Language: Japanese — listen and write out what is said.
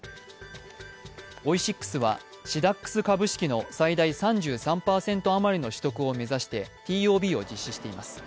オイシックスは、シダックス株式の最大３３％余りの取得を目指してＴＯＢを実施しています。